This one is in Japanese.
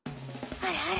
あらあら。